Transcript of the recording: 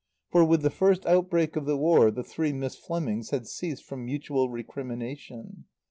For, with the first outbreak of the War, the three Miss Flemings had ceased from mutual recrimination.